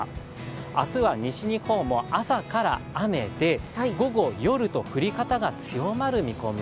明日は西日本、朝から雨で、午後、夜と降り方が強まる見込み。